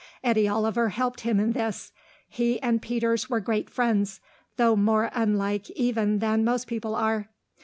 Eddy Oliver helped him in this. He and Peters were great friends, though more unlike even than most people are.